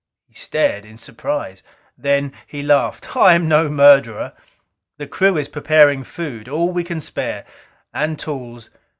He stared in surprise. Then he laughed. "I am no murderer. The crew is preparing food, all we can spare. And tools.